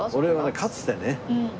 かつてね。